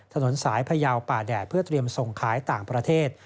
ถนนสายพยาวป่าแดดเพื่อเตรียมส่งขายต่างประเทศ